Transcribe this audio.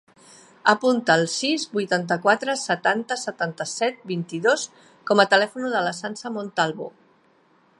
Apunta el sis, vuitanta-quatre, setanta, setanta-set, vint-i-dos com a telèfon de la Sança Montalvo.